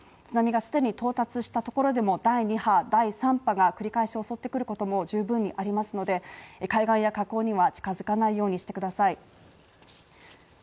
津波が既に到達したところでも第２波、第３波が繰り返し襲ってくることも十分にありますので海岸や河口には近づかないようにしてください